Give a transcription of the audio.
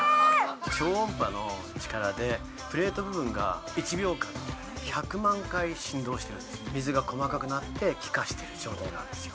超音波の力でプレート部分が１秒間に１００万回振動してるんです水が細かくなって気化してる状態なんですよ